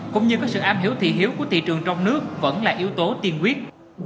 cũng như có sự am hiểu thị hiếu của thị trường trong nước vẫn là yếu tố tiên quyết